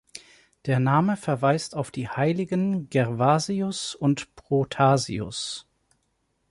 Der Name verweist auf die Heiligen Gervasius und Protasius.